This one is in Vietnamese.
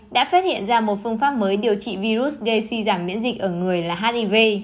đã phát hiện ra một phương pháp mới điều trị virus gây suy giảm miễn dịch ở người là hiv